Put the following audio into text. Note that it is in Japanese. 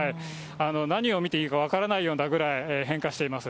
何を見ていいか分からないようなぐらい、変化しています。